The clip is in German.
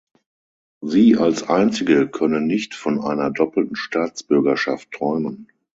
Sie als Einzige können nicht von einer doppelten Staatsbürgerschaft träumen.